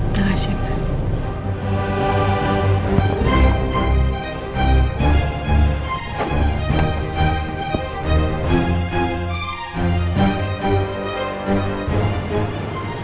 terima kasih mas